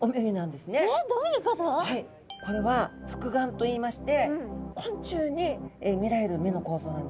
これは複眼といいまして昆虫に見られる目の構造なんですね。